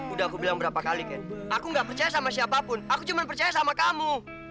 udah aku bilang berapa kali ken aku nggak percaya sama siapapun aku cuma percaya sama kamu